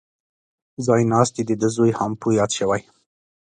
ځای ناست یې دده زوی هامپو یاد شوی.